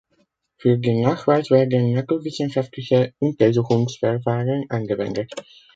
Für den Nachweis werden naturwissenschaftliche Untersuchungsverfahren angewendet.